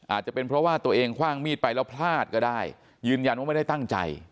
อาจจะเป็นเพราะว่าตัวเองคว่างมีดไปแล้วพลาดก็ได้ยืนยันว่าไม่ได้ตั้งใจ